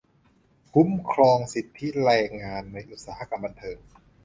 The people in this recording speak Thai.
- คุ้มครองสิทธิแรงงานในอุตสาหกรรมบันเทิง